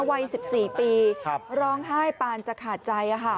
วัย๑๔ปีร้องไห้ปานจะขาดใจ